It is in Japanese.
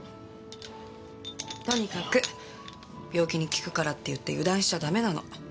とにかく病気に効くからっていって油断しちゃダメなの。